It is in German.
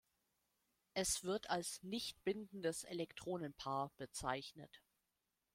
Es wird als "nicht bindendes Elektronenpaar" bezeichnet.